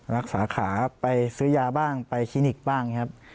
รักษาขาไปซื้อยาบ้างไปคลินิกบ้างครับ